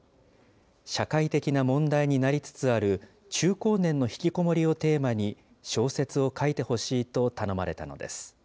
社会的な問題になりつつある、中高年のひきこもりをテーマに、小説を書いてほしいと頼まれたのです。